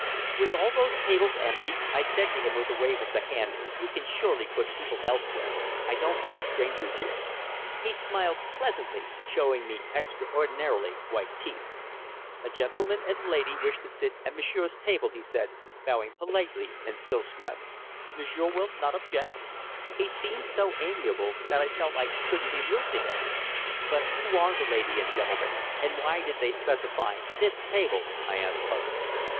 "With all those tables empty," I said to him with a wave of the hand, "you can surely put people elsewhere. I don't want strangers here." He smiled pleasantly, showing extraordinarily white teeth. "A gentleman and lady wish to sit at monsieur's table," he said, bowing politely, and still smiling. "Monsieur will not object?" He seemed so amiable that I felt I couldn't be rude to him. "But who are the lady and gentleman? And why did they specify this table?" I asked, puzzled.